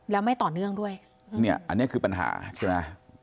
แล้วไม่ต่อเนื่องด้วยเนี่ยอันนี้คือปัญหาใช่ไหม